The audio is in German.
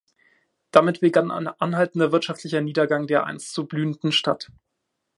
Damit begann ein anhaltender wirtschaftlicher Niedergang der einst so blühenden Stadt.